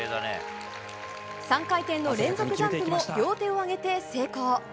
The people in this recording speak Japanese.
３回転の連続ジャンプも両手を上げて成功。